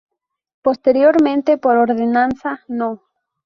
Posteriormente por ordenanza No.